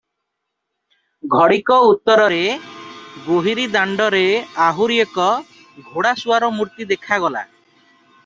ଘଡ଼ିକ ଉତ୍ତରେ ଗୋହିରୀ ଦାଣ୍ତରେ ଆହୁରି ଏକ ଘୋଡ଼ାସୁଆର ମୂର୍ତ୍ତି ଦେଖାଗଲା ।